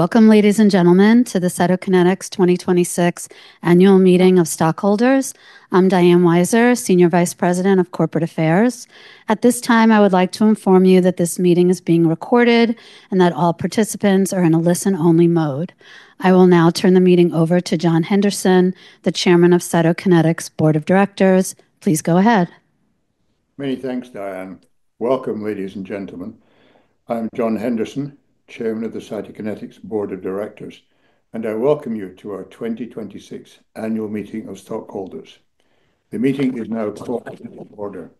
Welcome, ladies and gentlemen, to the Cytokinetics 2026 Annual Meeting of Stockholders. I'm Diane Weiser, Senior Vice President of Corporate Affairs. At this time, I would like to inform you that this meeting is being recorded and that all participants are in a listen-only mode. I will now turn the meeting over to John Henderson, the Chairman of Cytokinetics' Board of Directors. Please go ahead. Many thanks, Diane. Welcome, ladies and gentlemen. I'm John Henderson, Chairman of the Cytokinetics Board of Directors, I welcome you to our 2026 annual meeting of stockholders. The meeting is now called to order.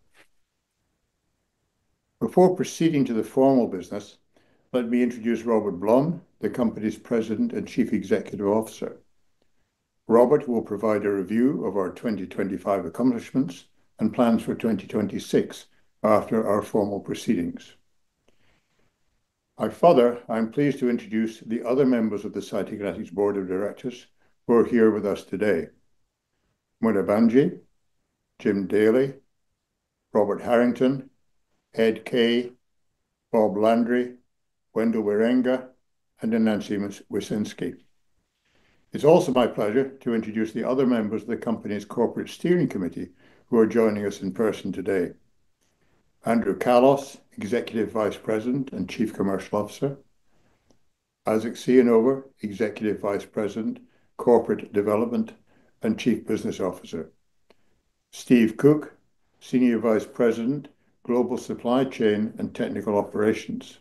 Before proceeding to the formal business, let me introduce Robert Blum, the company's President and Chief Executive Officer. Robert will provide a review of our 2025 accomplishments and plans for 2026 after our formal proceedings. Further, I'm pleased to introduce the other members of the Cytokinetics Board of Directors who are here with us today: Muna Bhanji, James Daly, Robert Harrington, Ed Kaye, Bob Landry, Wendell Wierenga, and Nancy Wysenski. It's also my pleasure to introduce the other members of the company's corporate steering committee who are joining us in person today. Andrew Callos, Executive Vice President and Chief Commercial Officer. Isaac Ciechanover, Executive Vice President, Corporate Development, and Chief Business Officer. Steve Cook, Senior Vice President, Global Supply Chain and Technical Operations.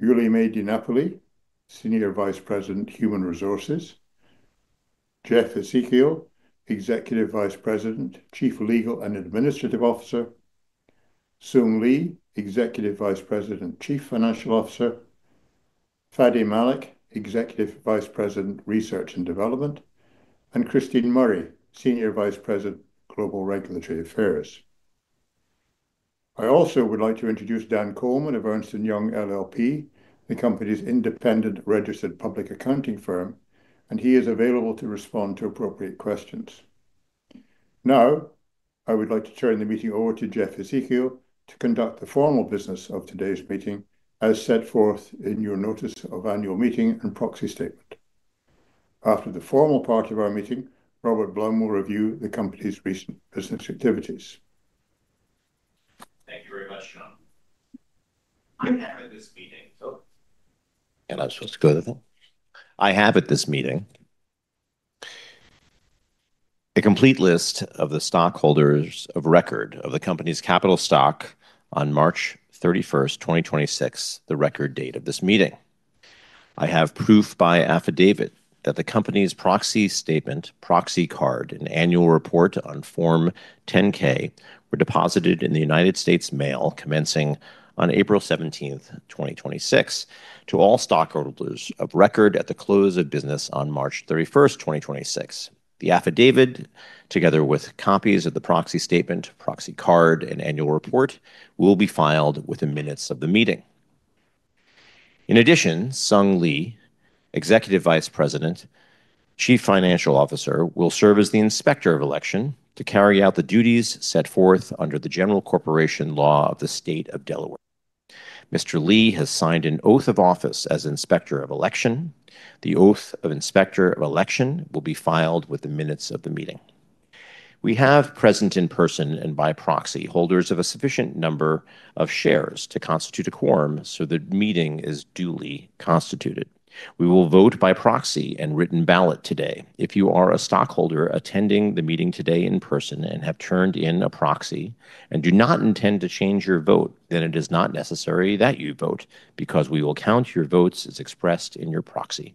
YulyMae DiNapoli, Senior Vice President, Human Resources. Jeff Hessekiel, Executive Vice President, Chief Legal and Administrative Officer. Sung Lee, Executive Vice President, Chief Financial Officer. Fady Malik, Executive Vice President, Research and Development. Christine Murray, Senior Vice President, Global Regulatory Affairs. I also would like to introduce Dan Coleman of Ernst & Young LLP, the company's independent registered public accounting firm, and he is available to respond to appropriate questions. Now, I would like to turn the meeting over to Jeff Hessekiel to conduct the formal business of today's meeting as set forth in your notice of annual meeting and proxy statement. After the formal part of our meeting, Robert Blum will review the company's recent business activities. Thank you very much, John. Oh. I'm supposed to go then? I have at this meeting a complete list of the stockholders of record of the company's capital stock on March 31st, 2026, the record date of this meeting. I have proof by affidavit that the company's proxy statement, proxy card, and annual report on Form 10-K were deposited in the United States Mail commencing on April 17th, 2026, to all stockholders of record at the close of business on March 31st, 2026. The affidavit, together with copies of the proxy statement, proxy card, and annual report, will be filed with the minutes of the meeting. In addition, Sung Lee, Executive Vice President, Chief Financial Officer, will serve as the Inspector of Election to carry out the duties set forth under the general corporation law of the state of Delaware. Mr. Lee has signed an oath of office as Inspector of Election. The oath of Inspector of Election will be filed with the minutes of the meeting. We have present in person and by proxy holders of a sufficient number of shares to constitute a quorum so the meeting is duly constituted. We will vote by proxy and written ballot today. If you are a stockholder attending the meeting today in person and have turned in a proxy and do not intend to change your vote, then it is not necessary that you vote because we will count your votes as expressed in your proxy.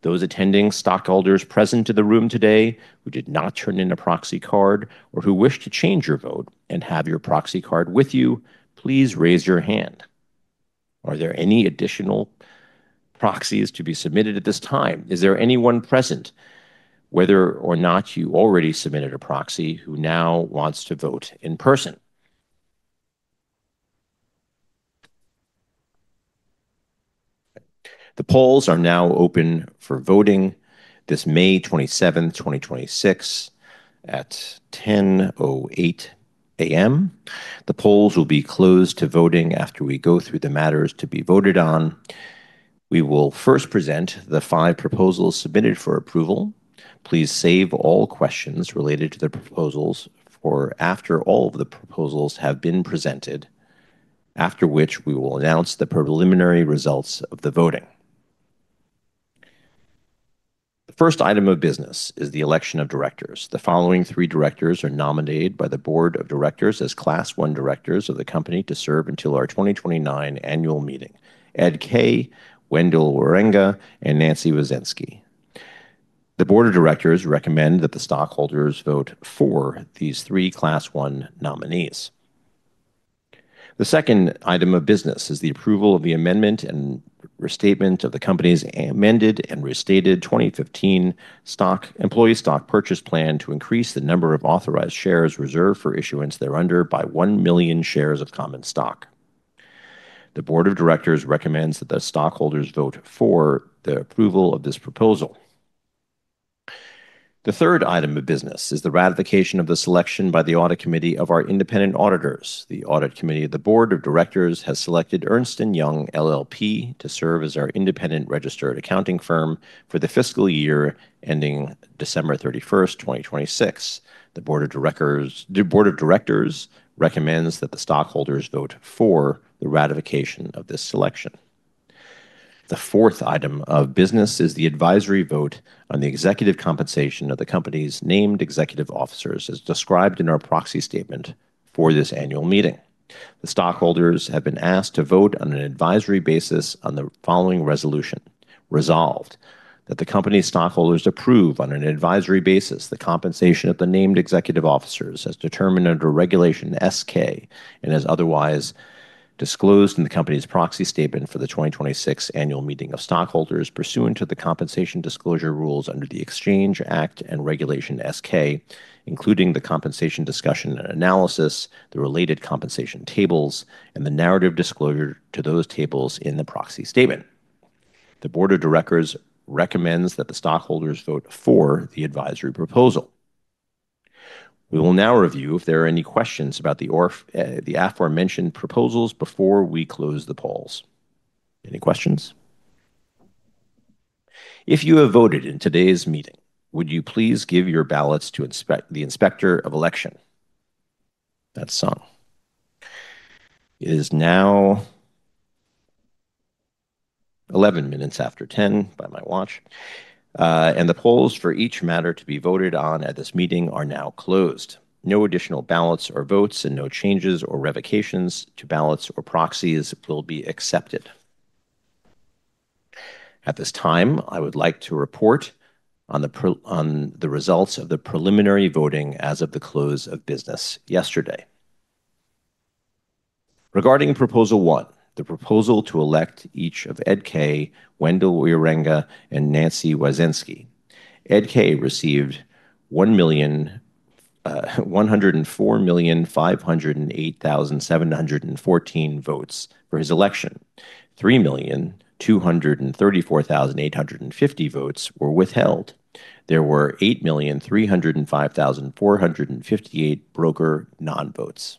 Those attending stockholders present in the room today who did not turn in a proxy card or who wish to change your vote and have your proxy card with you, please raise your hand. Are there any additional proxies to be submitted at this time? Is there anyone present, whether or not you already submitted a proxy, who now wants to vote in person? The polls are now open for voting this May 27th, 2026, at 10:08AM. The polls will be closed to voting after we go through the matters to be voted on. We will first present the five proposals submitted for approval. Please save all questions related to the proposals for after all of the proposals have been presented, after which we will announce the preliminary results of the voting. The first item of business is the election of directors. The following three directors are nominated by the Board of Directors as Class I directors of the company to serve until our 2029 annual meeting: Ed Kaye, Wendell Wierenga, and Nancy Wysenski. The Board of Directors recommend that the stockholders vote for these three Class I nominees. The second item of business is the approval of the amendment and restatement of the company's amended and restated 2015 Employee Stock Purchase Plan to increase the number of authorized shares reserved for issuance thereunder by 1 million shares of common stock. The Board of Directors recommends that the stockholders vote for the approval of this proposal. The third item of business is the ratification of the selection by the audit committee of our independent auditors. The audit committee of the Board of Directors has selected Ernst & Young LLP to serve as our independent registered accounting firm for the fiscal year ending December 31st, 2026. The Board of Directors recommends that the stockholders vote for the ratification of this selection. The fourth item of business is the advisory vote on the executive compensation of the company's named executive officers, as described in our proxy statement for this annual meeting. The stockholders have been asked to vote on an advisory basis on the following resolution. Resolved, that the company's stockholders approve on an advisory basis the compensation of the named executive officers as determined under Regulation S-K and as otherwise disclosed in the company's proxy statement for the 2026 annual meeting of stockholders pursuant to the compensation disclosure rules under the Exchange Act and Regulation S-K, including the Compensation Discussion and Analysis, the related compensation tables, and the narrative disclosure to those tables in the proxy statement. The Board of Directors recommends that the stockholders vote for the advisory proposal. We will now review if there are any questions about the aforementioned proposals before we close the polls. Any questions? If you have voted in today's meeting, would you please give your ballots to the Inspector of Election. That's Sung. It is now 11 minutes after 10:00 by my watch, and the polls for each matter to be voted on at this meeting are now closed. No additional ballots or votes and no changes or revocations to ballots or proxies will be accepted. At this time, I would like to report on the results of the preliminary voting as of the close of business yesterday. Regarding proposal 1, the proposal to elect each of Ed Kaye, Wendell Wierenga, and Nancy Wysenski. Ed Kaye received 104,508,714 votes for his election. 3,234,850 votes were withheld. There were 8,305,458 broker non-votes.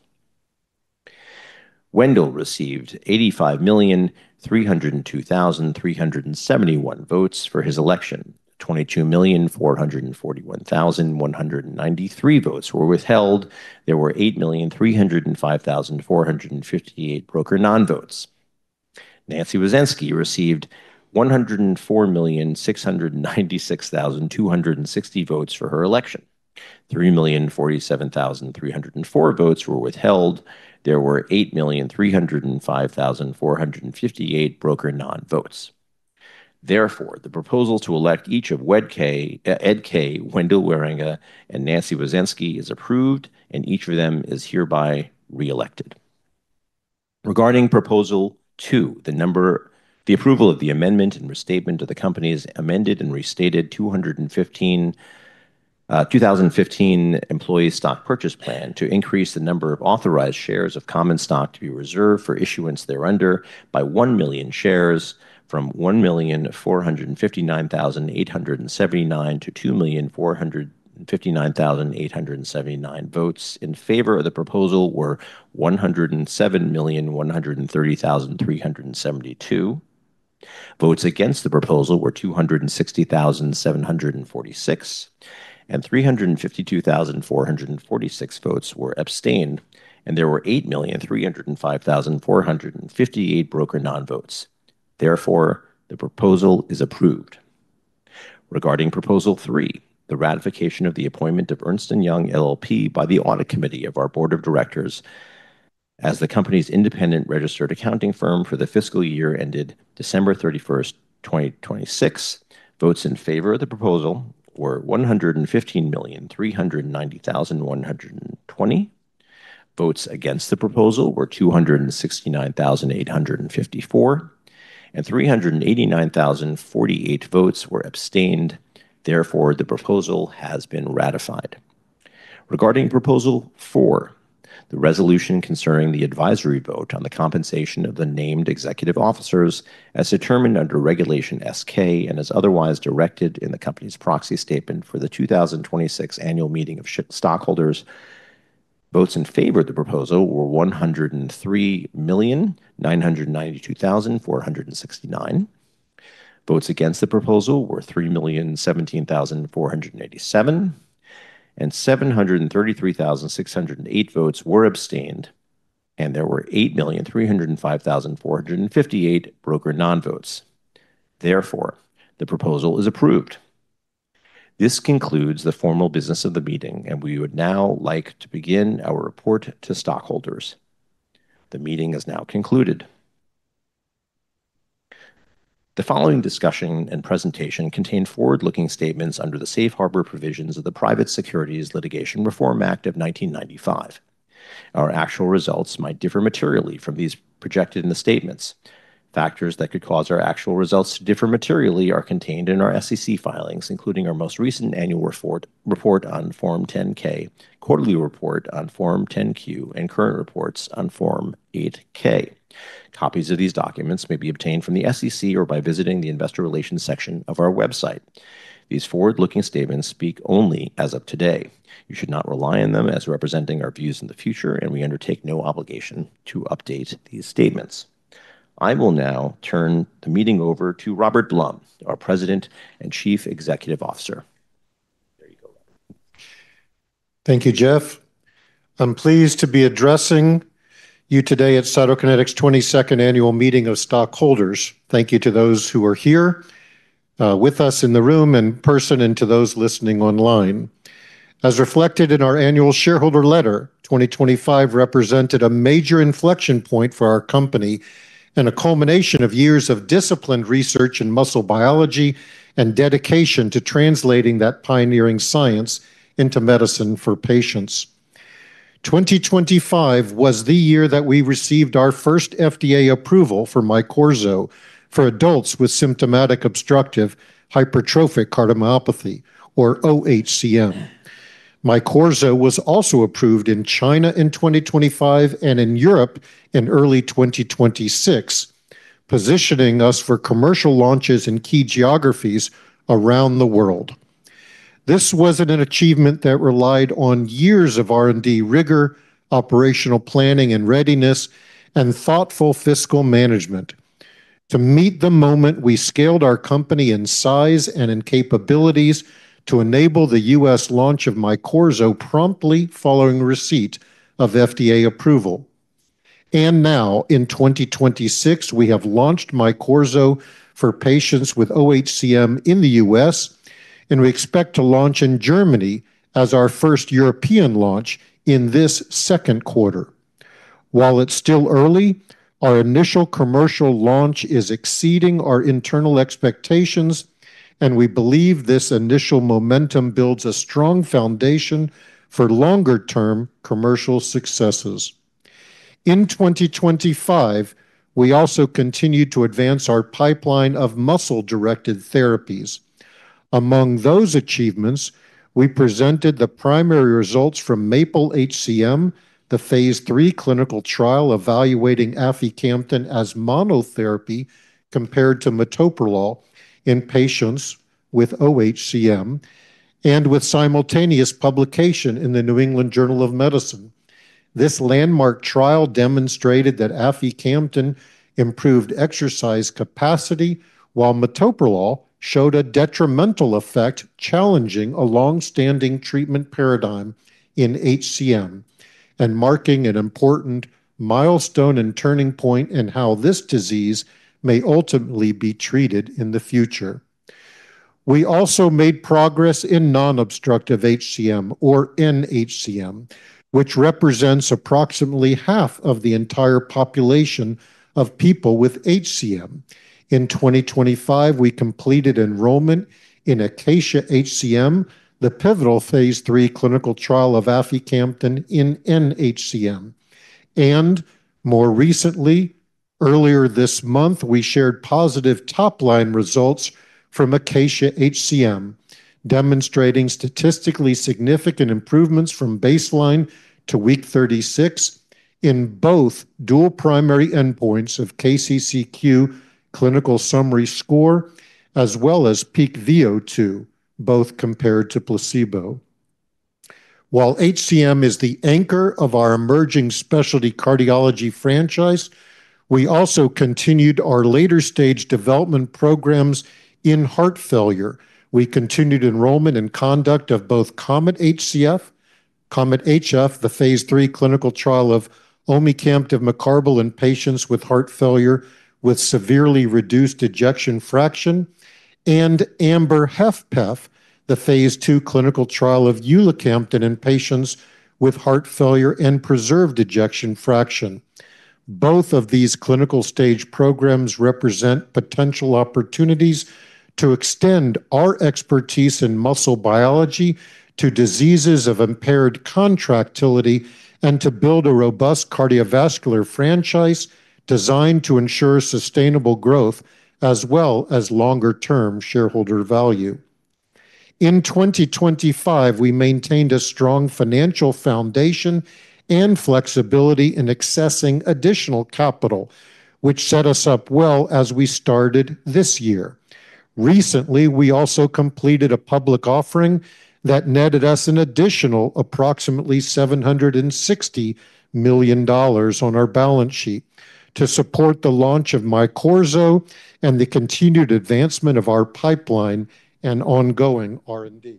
Wendell received 85,302,371 votes for his election. 22,441,193 votes were withheld. There were 8,305,458 broker non-votes. Nancy Wysenski received 104,696,260 votes for her election. 3,047,304 votes were withheld. There were 8,305,458 broker non-votes. Therefore, the proposal to elect each of Ed Kaye, Wendell Wierenga, and Nancy Wysenski is approved, and each of them is hereby reelected. Regarding proposal 2, the approval of the amendment and restatement of the company's amended and restated 2015 Employee Stock Purchase Plan to increase the number of authorized shares of common stock to be reserved for issuance thereunder by 1 million shares from 1,459,879 to 2,459,879 votes in favor of the proposal were 107,130,372. Votes against the proposal were 260,746, and 352,446 votes were abstained, and there were 8,305,458 broker non-votes. Therefore, the proposal is approved. Regarding proposal three, the ratification of the appointment of Ernst & Young LLP by the audit committee of our Board of Directors as the company's independent registered accounting firm for the fiscal year ended December 31, 2026. Votes in favor of the proposal were 115,390,120. Votes against the proposal were 269,854, and 389,048 votes were abstained. Therefore, the proposal has been ratified. Regarding proposal 4, the resolution concerning the advisory vote on the compensation of the named executive officers as determined under Regulation S-K and as otherwise directed in the company's proxy statement for the 2026 annual meeting of stockholders. Votes in favor of the proposal were 103,992,469. Votes against the proposal were 3,017,487, and 733,608 votes were abstained, and there were 8,305,458 broker non-votes. Therefore, the proposal is approved. This concludes the formal business of the meeting, and we would now like to begin our report to stockholders. The meeting is now concluded. The following discussion and presentation contain forward-looking statements under the Safe Harbor provisions of the Private Securities Litigation Reform Act of 1995. Our actual results might differ materially from these projected in the statements. Factors that could cause our actual results to differ materially are contained in our SEC filings, including our most recent annual report on Form 10-K, quarterly report on Form 10-Q, and current reports on Form 8-K. Copies of these documents may be obtained from the SEC or by visiting the investor relations section of our website. These forward-looking statements speak only as of today. You should not rely on them as representing our views in the future, and we undertake no obligation to update these statements. I will now turn the meeting over to Robert Blum, our President and Chief Executive Officer. Thank you, Jeff. I'm pleased to be addressing you today at Cytokinetics 22nd Annual Meeting of Stockholders. Thank you to those who are here with us in the room in person and to those listening online. As reflected in our annual shareholder letter, 2025 represented a major inflection point for our company and a culmination of years of disciplined research in muscle biology and dedication to translating that pioneering science into medicine for patients. 2025 was the year that we received our first FDA approval for MYQORZO for adults with symptomatic obstructive hypertrophic cardiomyopathy, or oHCM. MYQORZO was also approved in China in 2025 and in Europe in early 2026, positioning us for commercial launches in key geographies around the world. This was an achievement that relied on years of R&D rigor, operational planning and readiness, and thoughtful fiscal management. To meet the moment, we scaled our company in size and in capabilities to enable the U.S. launch of MYQORZO promptly following receipt of FDA approval. Now, in 2026, we have launched MYQORZO for patients with oHCM in the U.S., and we expect to launch in Germany as our first European launch in this second quarter. While it's still early, our initial commercial launch is exceeding our internal expectations, we believe this initial momentum builds a strong foundation for longer-term commercial successes. In 2025, we also continued to advance our pipeline of muscle-directed therapies. Among those achievements, we presented the primary results from MAPLE-HCM, the phase III clinical trial evaluating aficamten as monotherapy compared to metoprolol in patients with oHCM, and with simultaneous publication in "The New England Journal of Medicine." This landmark trial demonstrated that aficamten improved exercise capacity, while metoprolol showed a detrimental effect, challenging a longstanding treatment paradigm nHCM and marking an important milestone and turning point in how this disease may ultimately be treated in the future. We also made progress in non-obstructive HCM, or nHCM, which represents approximately half of the entire population of people with HCM. In 2025, we completed enrollment in ACACIA-HCM, the pivotal Phase III clinical trial of aficamten in nHCM. More recently, earlier this month, we shared positive top-line results from ACACIA-HCM, demonstrating statistically significant improvements from baseline to week 36 in both dual primary endpoints of KCCQ clinical summary score, as well as Peak VO2, both compared to placebo. While HCM is the anchor of our emerging specialty cardiology franchise, we also continued our later-stage development programs in heart failure. We continued enrollment and conduct of both COMET-HF, the phase III clinical trial of omecamtiv mecarbil in patients with heart failure with severely reduced ejection fraction, and AMBER-HFpEF, the phase II clinical trial of ulacamten in patients with heart failure and preserved ejection fraction. Both of these clinical stage programs represent potential opportunities to extend our expertise in muscle biology to diseases of impaired contractility and to build a robust cardiovascular franchise designed to ensure sustainable growth, as well as longer-term shareholder value. In 2025, we maintained a strong financial foundation and flexibility in accessing additional capital, which set us up well as we started this year. Recently, we also completed a public offering that netted us an additional approximately $760 million on our balance sheet to support the launch of MYQORZO and the continued advancement of our pipeline and ongoing R&D.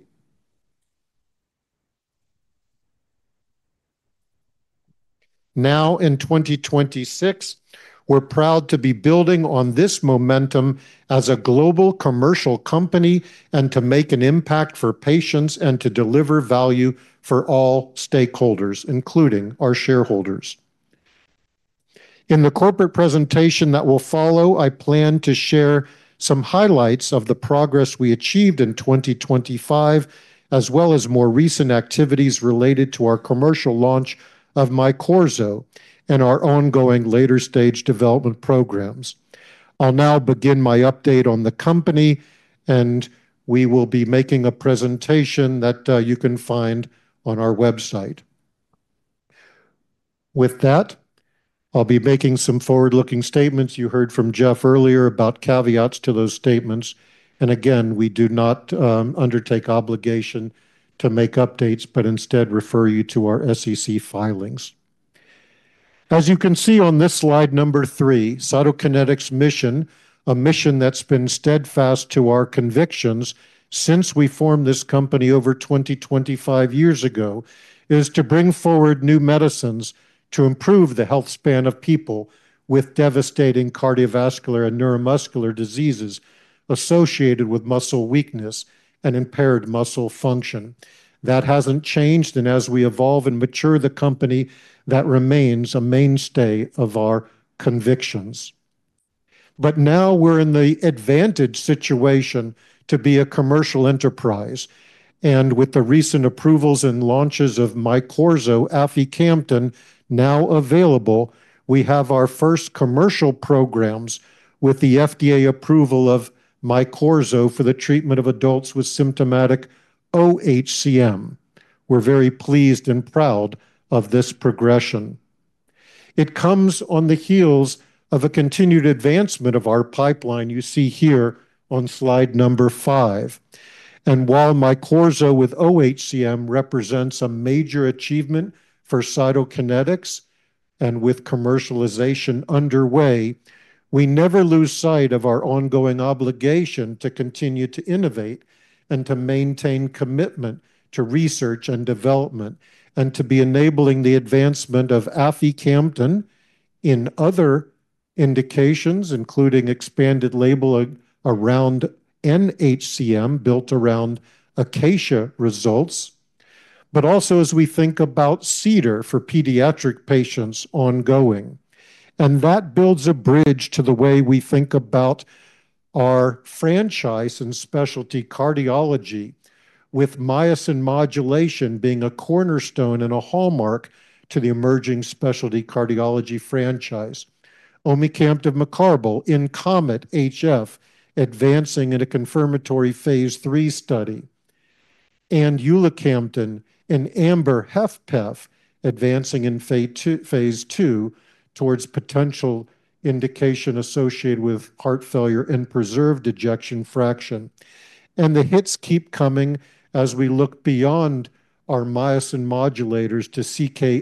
Now, in 2026, we're proud to be building on this momentum as a global commercial company and to make an impact for patients and to deliver value for all stakeholders, including our shareholders. In the corporate presentation that will follow, I plan to share some highlights of the progress we achieved in 2025, as well as more recent activities related to our commercial launch of MYQORZO and our ongoing later-stage development programs. I'll now begin my update on the company, and we will be making a presentation that you can find on our website. With that, I'll be making some forward-looking statements. You heard from Jeff earlier about caveats to those statements. Again, we do not undertake obligation to make updates, but instead refer you to our SEC filings. As you can see on this slide number three, Cytokinetics' mission, a mission that's been steadfast to our convictions since we formed this company over 20, 25 years ago, is to bring forward new medicines to improve the health span of people with devastating cardiovascular and neuromuscular diseases associated with muscle weakness and impaired muscle function. That hasn't changed, and as we evolve and mature the company, that remains a mainstay of our convictions. Now we're in the advantage situation to be a commercial enterprise. With the recent approvals and launches of MYQORZO, aficamten now available, we have our first commercial programs with the FDA approval of MYQORZO for the treatment of adults with symptomatic oHCM. We're very pleased and proud of this progression. It comes on the heels of a continued advancement of our pipeline you see here on slide five. While MYQORZO with oHCM represents a major achievement for Cytokinetics, and with commercialization underway, we never lose sight of our ongoing obligation to continue to innovate and to maintain commitment to research and development, and to be enabling the advancement of aficamten in other indications, including expanded labeling around nHCM, built around ACACIA results, also, as we think about CEDAR for pediatric patients ongoing. That builds a bridge to the way we think about our franchise and specialty cardiology, with myosin modulation being a cornerstone and a hallmark to the emerging specialty cardiology franchise. Omecamtiv mecarbil in COMET-HF, advancing in a confirmatory phase III study. Ulacamten in AMBER-HFpEF, advancing in phase II towards potential indication associated with heart failure and preserved ejection fraction. The hits keep coming as we look beyond our myosin modulators to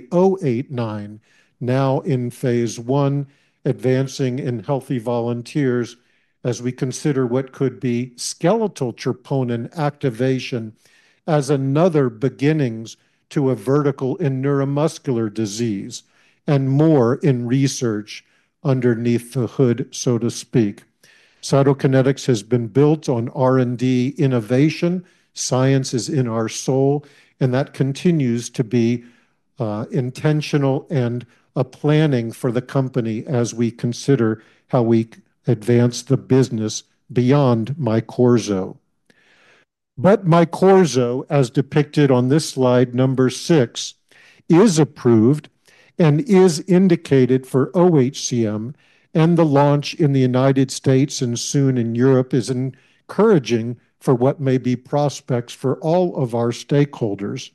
CK-089, now in Phase I, advancing in healthy volunteers as we consider what could be skeletal troponin activation as another beginnings to a vertical in neuromuscular disease, and more in research underneath the hood, so to speak. Cytokinetics has been built on R&D innovation. Science is in our soul, that continues to be intentional and a planning for the company as we consider how we advance the business beyond MYQORZO. MYQORZO, as depicted on this slide number six, is approved and is indicated for oHCM. The launch in the U.S. and soon in Europe is encouraging for what may be prospects for all of our stakeholders.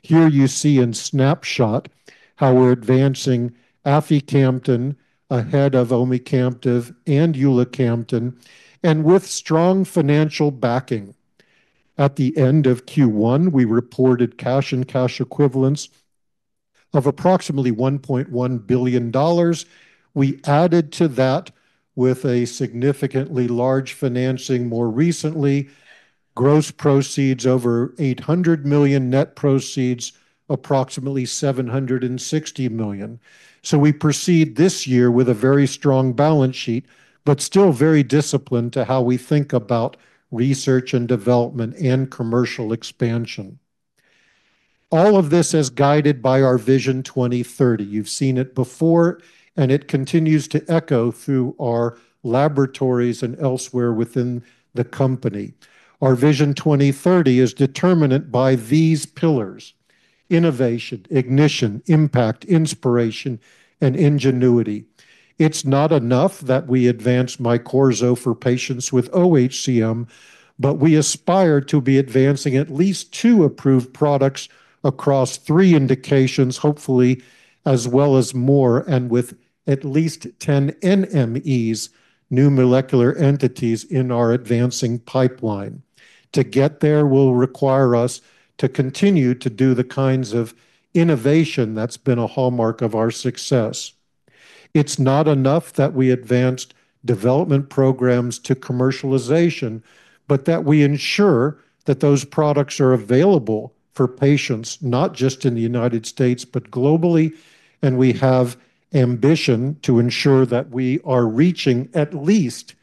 Here you see in snapshot how we're advancing aficamten ahead of omecamtiv and ulacamten, with strong financial backing. At the end of Q1, we reported cash and cash equivalents of approximately $1.1 billion. We added to that with a significantly large financing more recently. Gross proceeds over $800 million, net proceeds approximately $760 million. We proceed this year with a very strong balance sheet, still very disciplined to how we think about research and development and commercial expansion. All of this is guided by our Vision 2030. You've seen it before. It continues to echo through our laboratories and elsewhere within the company. Our Vision 2030 is determinant by these pillars: innovation, ignition, impact, inspiration, and ingenuity. It's not enough that we advance MYQORZO for patients with oHCM, but we aspire to be advancing at least two approved products across three indications, hopefully as well as more, and with at least 10 NMEs, New Molecular Entities, in our advancing pipeline. To get there will require us to continue to do the kinds of innovation that's been a hallmark of our success. It's not enough that we advanced development programs to commercialization, but that we ensure that those products are available for patients, not just in the U.S., but globally. We have ambition to ensure that we are reaching at least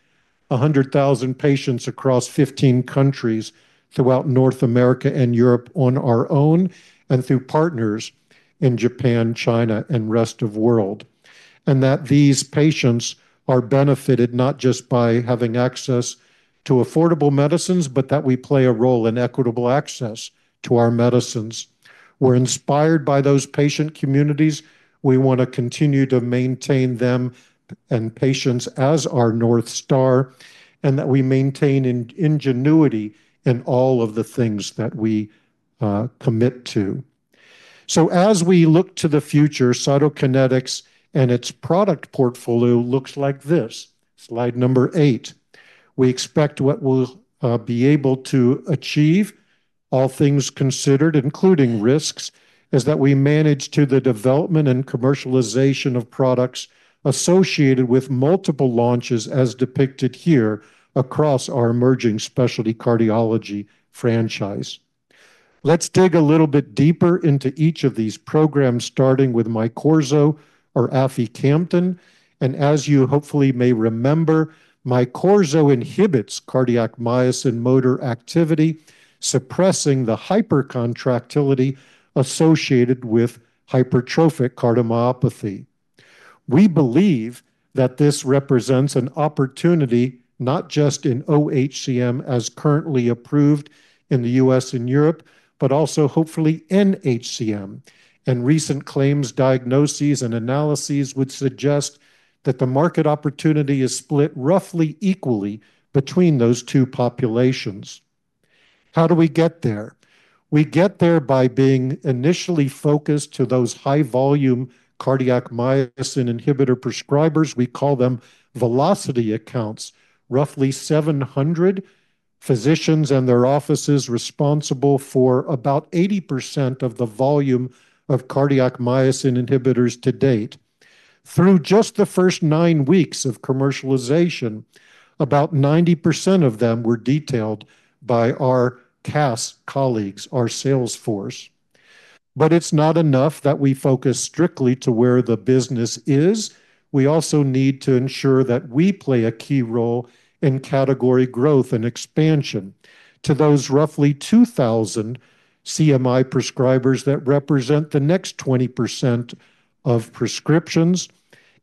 100,000 patients across 15 countries throughout North America and Europe on our own, and through partners in Japan, China, and rest of world. That these patients are benefited not just by having access to affordable medicines, but that we play a role in equitable access to our medicines. We're inspired by those patient communities. We want to continue to maintain them and patients as our North Star, and that we maintain ingenuity in all of the things that we commit to. As we look to the future, Cytokinetics and its product portfolio looks like this, slide number eight. We expect what we'll be able to achieve All things considered, including risks, is that we manage to the development and commercialization of products associated with multiple launches as depicted here across our emerging specialty cardiology franchise. Let's dig a little bit deeper into each of these programs, starting with MYQORZO or aficamten. As you hopefully may remember, MYQORZO inhibits cardiac myosin motor activity, suppressing the hypercontractility associated with hypertrophic cardiomyopathy. We believe that this represents an opportunity not just in OHCM as currently approved in the U.S. and Europe, but also hopefully in HCM. Recent claims, diagnoses, and analyses would suggest that the market opportunity is split roughly equally between those two populations. How do we get there? We get there by being initially focused to those high-volume cardiac myosin inhibitor prescribers. We call them velocity accounts, roughly 700 physicians and their offices responsible for about 80% of the volume of cardiac myosin inhibitors to-date. Through just the first nine weeks of commercialization, about 90% of them were detailed by our CAS colleagues, our sales force. It's not enough that we focus strictly to where the business is. We also need to ensure that we play a key role in category growth and expansion to those roughly 2,000 CMI prescribers that represent the next 20% of prescriptions,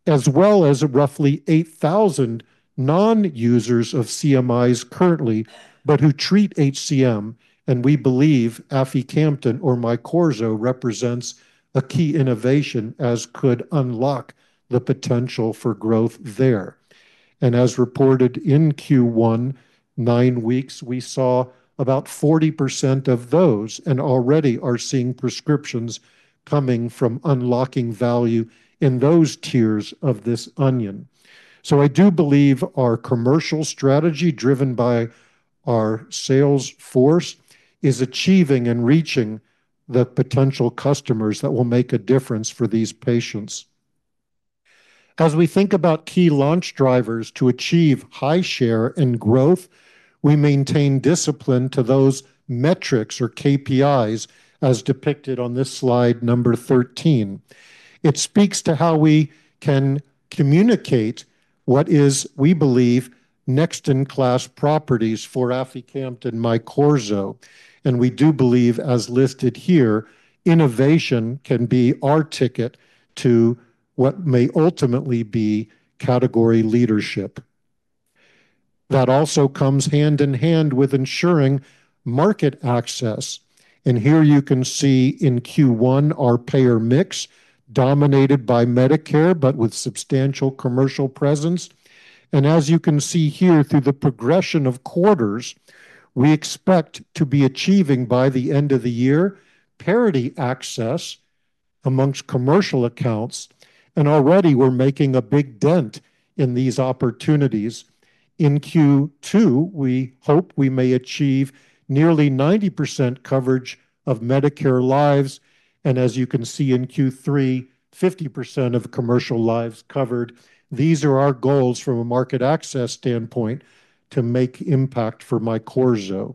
as well as roughly 8,000 non-users of CMIs currently, but who treat HCM, and we believe aficamten or MYQORZO represents a key innovation as could unlock the potential for growth there. As reported in Q1, nine weeks, we saw about 40% of those and already are seeing prescriptions coming from unlocking value in those tiers of this onion. I do believe our commercial strategy, driven by our sales force, is achieving and reaching the potential customers that will make a difference for these patients. As we think about key launch drivers to achieve high share and growth, we maintain discipline to those metrics or KPIs as depicted on this slide number 13. It speaks to how we can communicate what is, we believe, next-in-class properties for aficamten MYQORZO. We do believe, as listed here, innovation can be our ticket to what may ultimately be category leadership. That also comes hand in hand with ensuring market access. Here you can see in Q1 our payer mix dominated by Medicare, but with substantial commercial presence. As you can see here through the progression of quarters, we expect to be achieving by the end of the year parity access amongst commercial accounts, and already we're making a big dent in these opportunities. In Q2, we hope we may achieve nearly 90% coverage of Medicare lives, and as you can see in Q3, 50% of commercial lives covered. These are our goals from a market access standpoint to make impact for MYQORZO.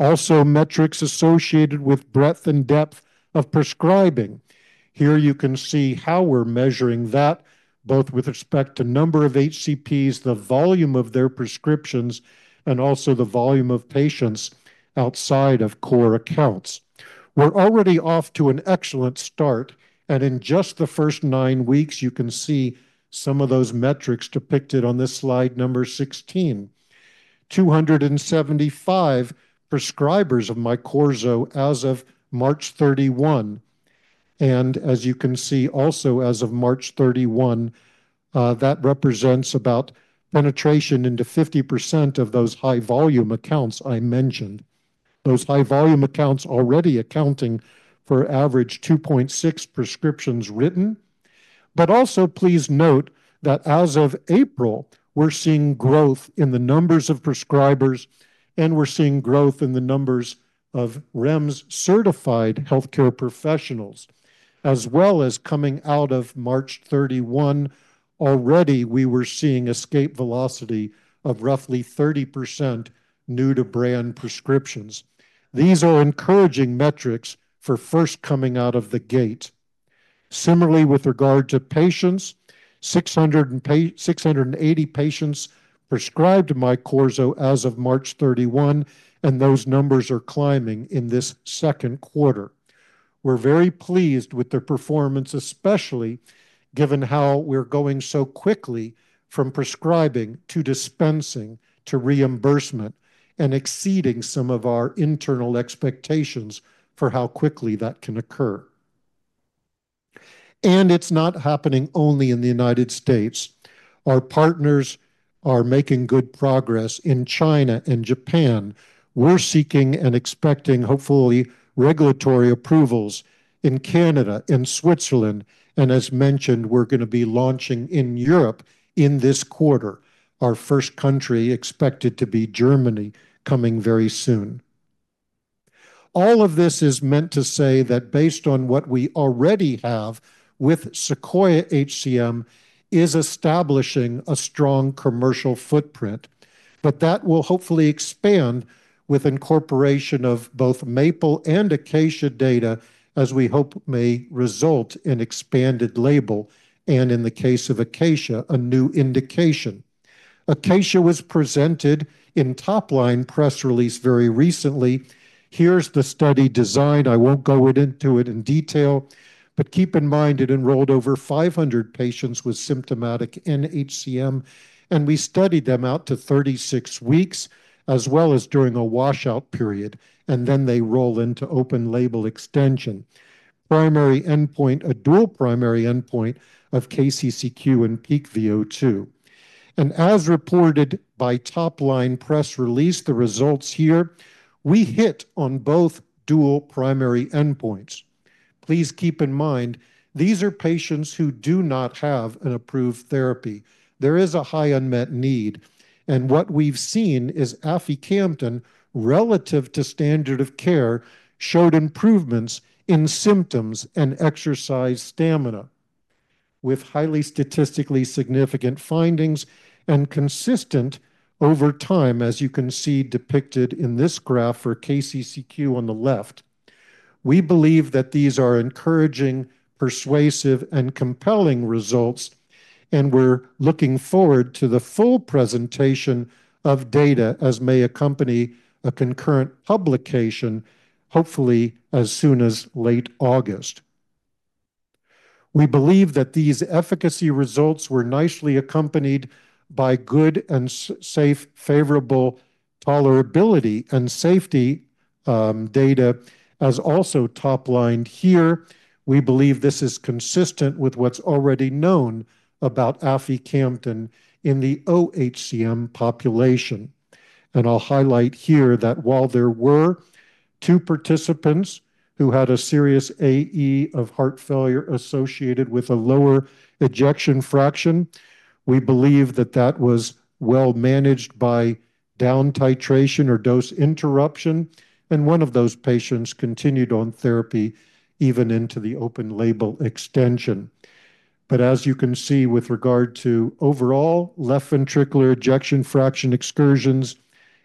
Also, metrics associated with breadth and depth of prescribing. Here you can see how we're measuring that, both with respect to number of HCPs, the volume of their prescriptions, and also the volume of patients outside of core accounts. We're already off to an excellent start, and in just the first nine weeks, you can see some of those metrics depicted on this slide number 16. 275 prescribers of MYQORZO as of March 31. As you can see also as of March 31, that represents about penetration into 50% of those high-volume accounts I mentioned. Those high-volume accounts already accounting for average 2.6 prescriptions written. Also, please note that as of April, we're seeing growth in the numbers of prescribers, and we're seeing growth in the numbers of REMS-certified healthcare professionals, as well as coming out of March 31, already we were seeing escape velocity of roughly 30% new-to-brand prescriptions. These are encouraging metrics for first coming out of the gate. Similarly, with regard to patients, 680 patients prescribed MYQORZO as of March 31, and those numbers are climbing in this second quarter. We're very pleased with their performance, especially given how we're going so quickly from prescribing to dispensing to reimbursement, and exceeding some of our internal expectations for how quickly that can occur. It's not happening only in the U.S. Our partners are making good progress in China and Japan. We're seeking and expecting, hopefully, regulatory approvals in Canada, in Switzerland, and as mentioned, we're going to be launching in Europe in this quarter. Our first country expected to be Germany, coming very soon. All of this is meant to say that based on what we already have with SEQUOIA-HCM is establishing a strong commercial footprint. That will hopefully expand with incorporation of both MAPLE and ACACIA data, as we hope may result in expanded label and in the case of ACACIA, a new indication. ACACIA was presented in top line press release very recently. Here's the study design. I won't go into it in detail, but keep in mind it enrolled over 500 patients with symptomatic nHCM, and we studied them out to 36 weeks, as well as during a washout period, and then they roll into open label extension. Primary endpoint, a dual primary endpoint of KCCQ and Peak VO2. As reported by top line press release, the results here, we hit on both dual primary endpoints. Please keep in mind, these are patients who do not have an approved therapy. There is a high unmet need. What we've seen is aficamten, relative to standard of care, showed improvements in symptoms and exercise stamina with highly statistically significant findings and consistent over time, as you can see depicted in this graph for KCCQ on the left. We believe that these are encouraging, persuasive, and compelling results, and we're looking forward to the full presentation of data as may accompany a concurrent publication, hopefully as soon as late August. We believe that these efficacy results were nicely accompanied by good and safe, favorable tolerability and safety data as also top-lined here. We believe this is consistent with what's already known about aficamten in the OHCM population. I'll highlight here that while there were two participants who had a serious AE of heart failure associated with a lower ejection fraction, we believe that that was well managed by down titration or dose interruption. One of those patients continued on therapy even into the open label extension. As you can see with regard to overall left ventricular ejection fraction excursions,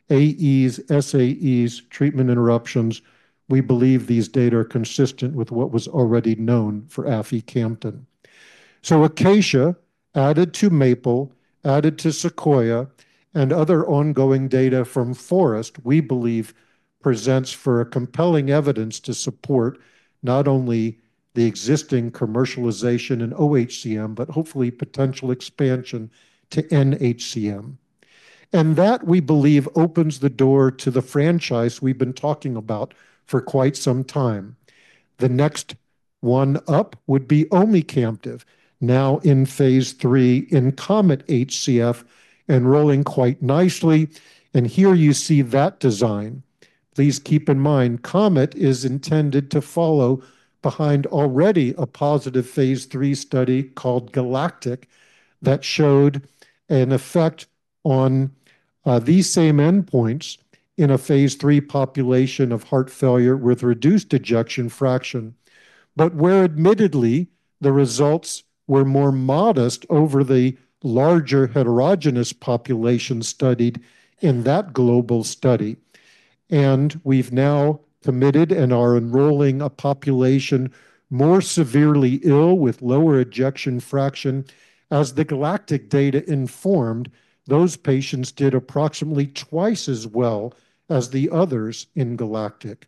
AEs, SAEs, treatment interruptions, we believe these data are consistent with what was already known for aficamten. ACACIA added to MAPLE, added to SEQUOIA, and other ongoing data from FOREST, we believe presents for a compelling evidence to support not only the existing commercialization in oHCM, but hopefully potential expansion to nHCM. That, we believe, opens the door to the franchise we've been talking about for quite some time. The next one up would be omecamtiv, now in phase III in COMET-HF, enrolling quite nicely. Here you see that design. Please keep in mind, COMET is intended to follow behind already a positive phase III study called GALACTIC that showed an effect on these same endpoints in a phase III population of heart failure with reduced ejection fraction. Where admittedly, the results were more modest over the larger heterogeneous population studied in that global study. We've now committed and are enrolling a population more severely ill with lower ejection fraction. As the GALACTIC data informed, those patients did approximately twice as well as the others in GALACTIC.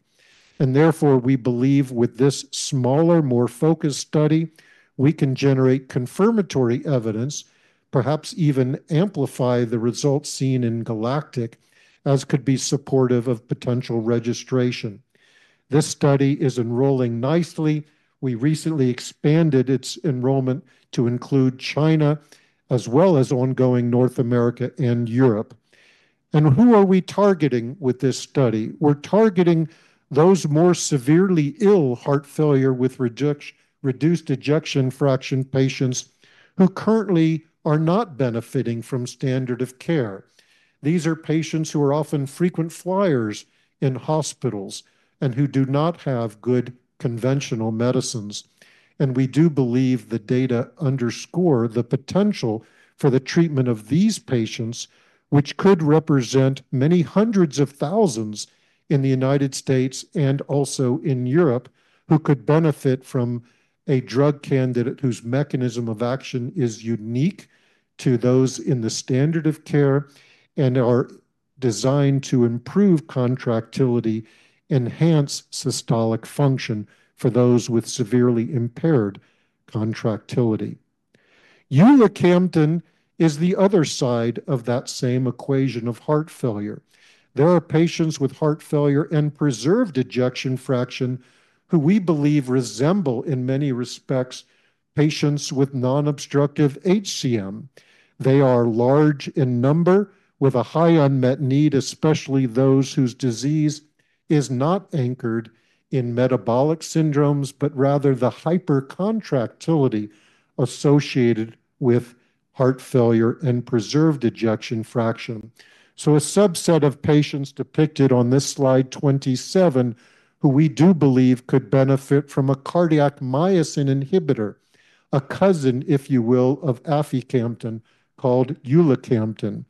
Therefore, we believe with this smaller, more focused study, we can generate confirmatory evidence, perhaps even amplify the results seen in GALACTIC, as could be supportive of potential registration. This study is enrolling nicely. We recently expanded its enrollment to include China, as well as ongoing North America and Europe. Who are we targeting with this study? We're targeting those more severely ill heart failure with reduced ejection fraction patients who currently are not benefiting from standard of care. These are patients who are often frequent flyers in hospitals and who do not have good conventional medicines. We do believe the data underscore the potential for the treatment of these patients, which could represent many hundreds of thousands in the U.S. and also in Europe, who could benefit from a drug candidate whose mechanism of action is unique to those in the standard of care and are designed to improve contractility, enhance systolic function for those with severely impaired contractility. ulacamten is the other side of that same equation of heart failure. There are patients with heart failure and preserved ejection fraction who we believe resemble, in many respects, patients with non-obstructive HCM. They are large in number with a high unmet need, especially those whose disease is not anchored in metabolic syndromes, but rather the hypercontractility associated with heart failure and preserved ejection fraction. A subset of patients depicted on this slide 27, who we do believe could benefit from a cardiac myosin inhibitor, a cousin, if you will, of aficamten called ulacamten.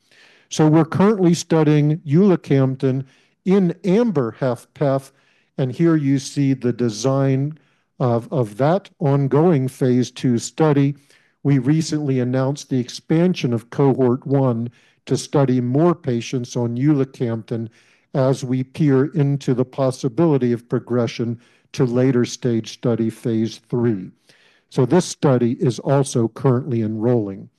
We're currently studying ulacamten in AMBER-HFpEF, and here you see the design of that ongoing phase II study. We recently announced the expansion of cohort 1 to study more patients on ulacamten as we peer into the possibility of progression to later stage study phase III. This study is also currently enrolling.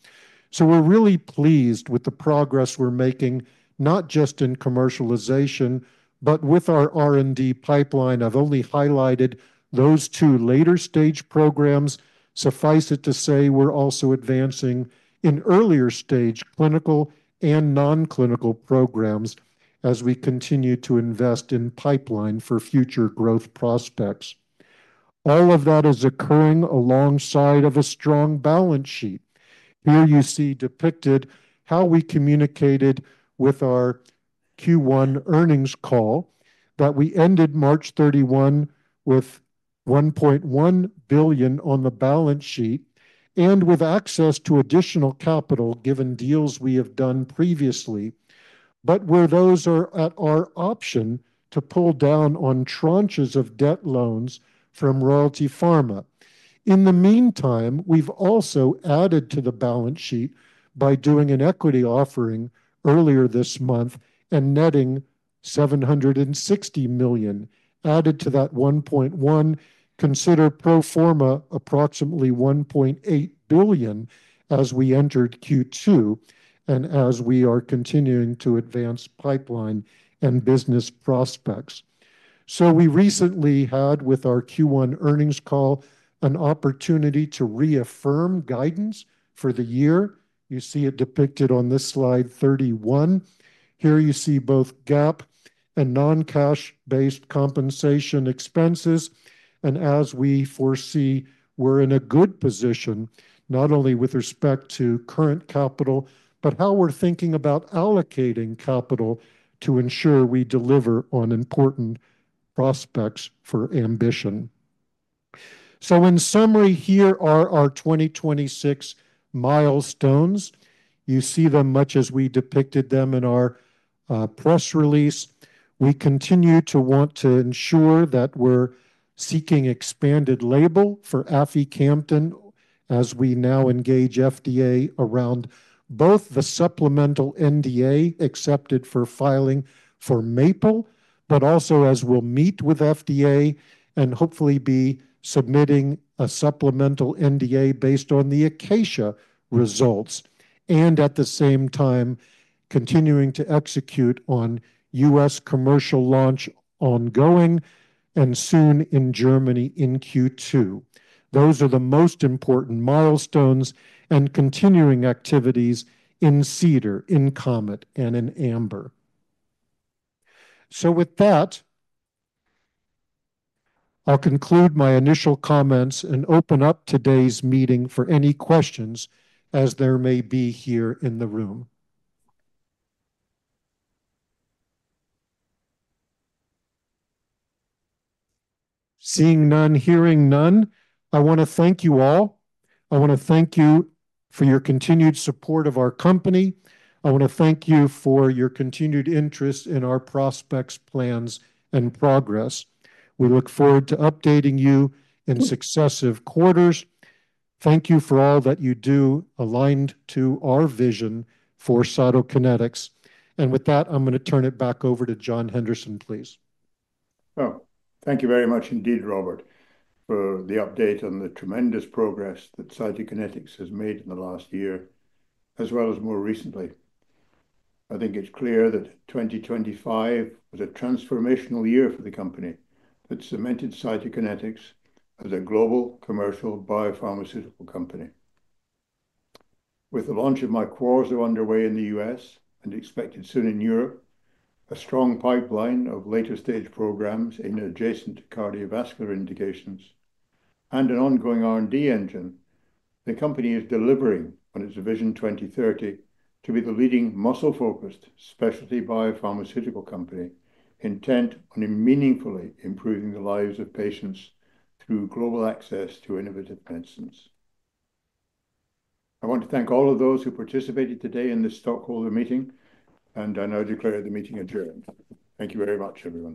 We're really pleased with the progress we're making, not just in commercialization, but with our R&D pipeline. I've only highlighted those two later stage programs. Suffice it to say, we're also advancing in earlier stage clinical and non-clinical programs as we continue to invest in pipeline for future growth prospects. All of that is occurring alongside of a strong balance sheet. Here you see depicted how we communicated with our Q1 earnings call that we ended March 31 with $1.1 billion on the balance sheet, and with access to additional capital, given deals we have done previously, but where those are at our option to pull down on tranches of debt loans from Royalty Pharma. In the meantime, we've also added to the balance sheet by doing an equity offering earlier this month and netting $760 million. Added to that $1.1, consider pro forma approximately $1.8 billion as we entered Q2 and as we are continuing to advance pipeline and business prospects. We recently had, with our Q1 earnings call, an opportunity to reaffirm guidance for the year. You see it depicted on this slide 31. Here you see both GAAP and non-cash based compensation expenses, and as we foresee, we're in a good position, not only with respect to current capital, but how we're thinking about allocating capital to ensure we deliver on important prospects for ambition. In summary, here are our 2026 milestones. You see them much as we depicted them in our press release. We continue to want to ensure that we're seeking expanded label for aficamten as we now engage FDA around both the supplemental NDA accepted for filing for MAPLE, but also as we'll meet with FDA and hopefully be submitting a supplemental NDA based on the ACACIA results. At the same time, continuing to execute on U.S. commercial launch ongoing and soon in Germany in Q2. Those are the most important milestones and continuing activities in CEDAR, in COMET, and in AMBER. With that, I'll conclude my initial comments and open up today's meeting for any questions as there may be here in the room. Seeing none, hearing none, I want to thank you all. I want to thank you for your continued support of our company. I want to thank you for your continued interest in our prospects, plans, and progress. We look forward to updating you in successive quarters. Thank you for all that you do aligned to our vision for Cytokinetics. With that, I'm going to turn it back over to John Henderson, please. Thank you very much indeed, Robert, for the update on the tremendous progress that Cytokinetics has made in the last year, as well as more recently. I think it's clear that 2025 was a transformational year for the company that cemented Cytokinetics as a global commercial biopharmaceutical company. With the launch of MYQORZO underway in the U.S. and expected soon in Europe, a strong pipeline of later stage programs in adjacent cardiovascular indications, and an ongoing R&D engine, the company is delivering on its Vision 2030 to be the leading muscle-focused specialty biopharmaceutical company intent on meaningfully improving the lives of patients through global access to innovative medicines. I want to thank all of those who participated today in this stockholder meeting. I now declare the meeting adjourned. Thank you very much, everyone.